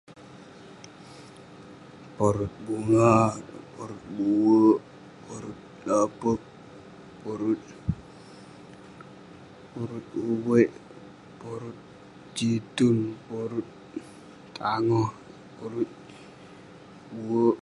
Porut bunga, porut buerk, porut loperk, porut- porut uviek, porut situn, porut tangoh, porut buerk.